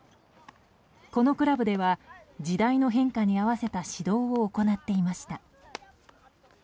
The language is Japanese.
このクラブでは時代の変化に合わせた指導を行っていました。